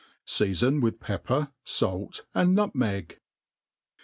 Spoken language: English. Seafon with pepper, fait, and nutmeg.